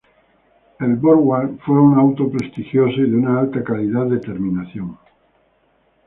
El Borgward fue un auto prestigioso y de una alta calidad de terminación.